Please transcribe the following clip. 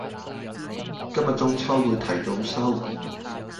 今日中秋會提早收